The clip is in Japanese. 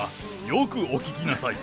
よくお聞きなさい。